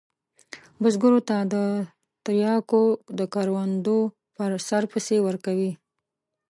بزګرو ته د تریاکو د کروندو پر سر پیسې ورکوي.